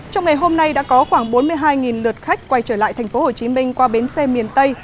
trong ngày hôm nay đã có khoảng bốn mươi hai lượt khách quay trở lại tp hcm qua bến xe miền tây